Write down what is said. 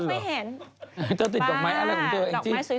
๓เดี๋ยวติดดอกไม้อะไรของเธอจิ้ง